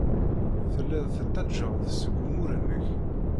Telliḍ tettajjaḍ seg umur-nnek.